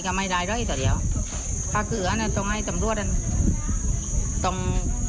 ความจริงก็ต้องไม่กลับสร้าง